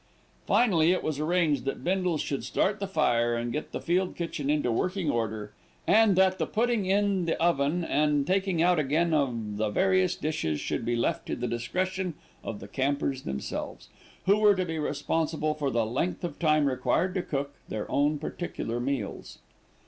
Finally it was arranged that Bindle should start the fire and get the field kitchen into working order, and that the putting in the oven and taking out again of the various dishes should be left to the discretion of the campers themselves, who were to be responsible for the length of time required to cook their own particular meals.